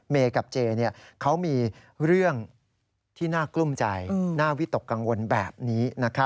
กับเจเขามีเรื่องที่น่ากลุ้มใจน่าวิตกกังวลแบบนี้